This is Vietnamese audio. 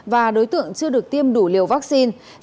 và đối tượng chưa được tiêm đủ liều vaccine